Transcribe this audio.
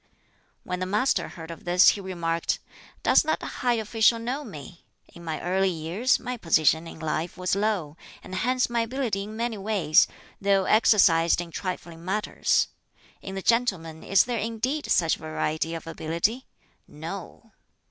When the Master heard of this he remarked, "Does that high official know me? In my early years my position in life was low, and hence my ability in many ways, though exercised in trifling matters. In the gentleman is there indeed such variety of ability? No."